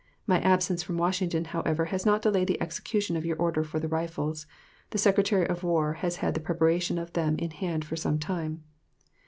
My absence from Washington, however, has not delayed the execution of your order for the rifles; the Secretary of War has had the preparation of them in hand for some time.